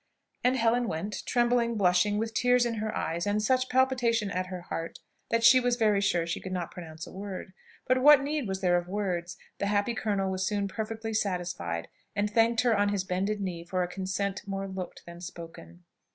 And Helen went trembling, blushing, with tears in her eyes, and such palpitation at her heart that she was very sure she could not pronounce a word. But what need was there of words? The happy colonel was soon perfectly satisfied, and thanked her on his bended knee for a consent more looked than spoken.